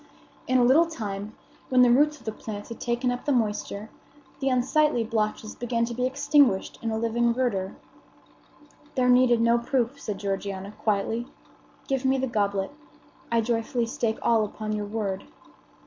In a little time, when the roots of the plant had taken up the moisture, the unsightly blotches began to be extinguished in a living verdure. "There needed no proof," said Georgiana, quietly. "Give me the goblet I joyfully stake all upon your word."